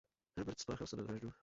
Robert spáchal sebevraždu.